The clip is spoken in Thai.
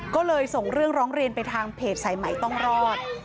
ก็เลยส่งเรื่องร้องเรียนไปทางเพจสายใหม่ต้องรอด